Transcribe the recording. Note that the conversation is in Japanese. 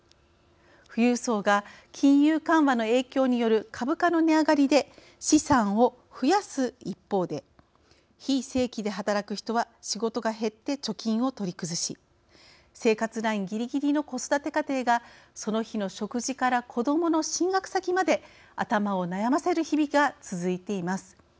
富裕層が金融緩和の影響による株価の値上がりで資産を増やす一方で非正規で働く人は仕事が減って貯金を取り崩し生活ラインぎりぎりの子育て家庭がその日の食事から子どもの進学先まで頭を悩ませる日々が続いています。